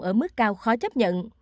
ở mức cao khó chấp nhận